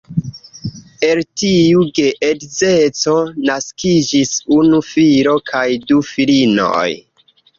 El tiu geedzeco naskiĝis unu filo kaj du filinoj.